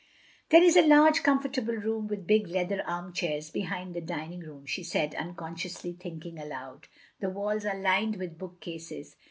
"There is a large comfortable room, with big leather arm chairs, behind the dining room," she said, unconsciotisly thinking aloud; "the walls are lined with book cases.